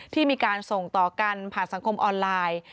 ที่มีการส่งต่อกันผ่านสังคมออนไลน์